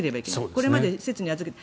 これまで施設に預けて。